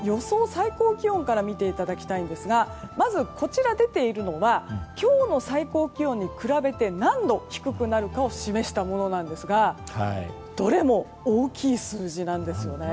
最高気温から見ていただきたいんですがまずこちらに出ているのは今日の最高気温に比べて何度低くなるかを示したものなんですがどれも大きい数字なんですよね。